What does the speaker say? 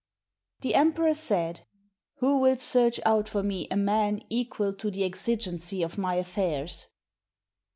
The emperor said, "Who will search out for me a man equal to the exigency of my affairs?"